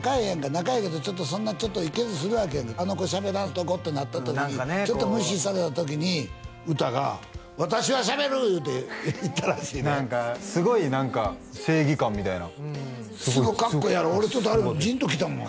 仲ええけどちょっといけずするわけあの子しゃべらんとことなった時ちょっと無視された時に詩が「私はしゃべる！」言うていったらしいなすごい何か正義感みたいなすごいかっこええやろ俺ちょっとあれジンときたもん